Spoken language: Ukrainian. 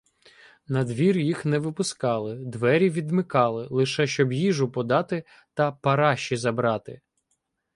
Надвір їх не випускали, двері відмикали, лише щоб їжу подати та "параші" забрати.